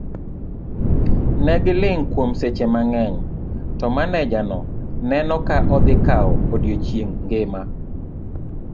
Ne giling' kuom seche mangeny, to maneja no neno ka odhi kawo odiochieng' ngima.